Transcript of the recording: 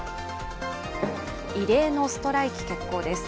異例のストライキ決行です。